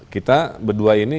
kita berdua ini